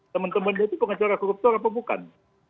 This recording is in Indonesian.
teman temannya itu pengacara koruptor apa bukan